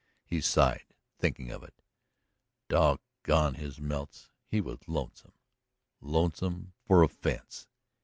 He sighed, thinking of it. Dog gone his melts, he was lonesome lonesome for a fence!